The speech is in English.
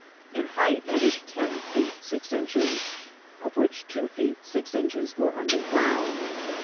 In height it is ten feet six inches, of which two feet six inches were under ground.